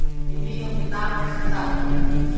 تمي يو ڪتآب پڙه سڪدآ هي۔